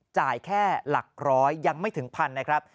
จ่ายแค่หลักร้อยยังไม่ถึงพันนะครับ